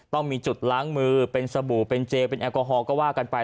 ต้องมีจุดล้างมือเป็นสบู่เป็นเจลเป็นแอลกอฮอลก็ว่ากันไป